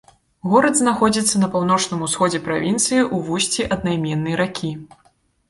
Горад знаходзіцца на паўночным усходзе правінцыі ў вусці аднайменнай ракі.